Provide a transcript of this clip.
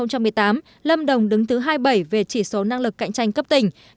năm hai nghìn một mươi tám lâm đồng đứng thứ hai mươi bảy về chỉ số năng lực cạnh tranh cấp tỉnh